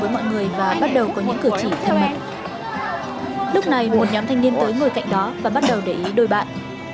một nhóm thanh niên tới ngồi cạnh đó và bắt đầu để ý đôi bạn